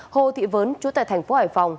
hồ thị vấn chú tại thành phố hải phòng